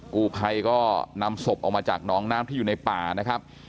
กูภัยก็นำศพออกมาจากน้องน้ำที่อยู่ในป่านะครับ